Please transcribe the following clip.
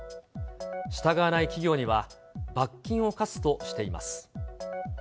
従わない企業には罰金を科すとしています。